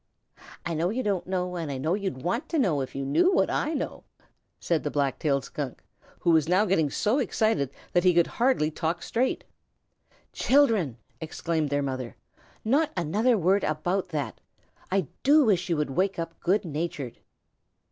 "I know you don't know, and I know you'd want to know if you knew what I know," said the Black tailed Skunk, who was now getting so excited that he could hardly talk straight. "Children!" exclaimed their mother. "Not another word about that. I do wish you would wake up good natured."